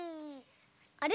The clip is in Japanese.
あれ？